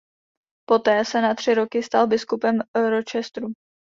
Poté se na tři roky stal biskupem Rochesteru.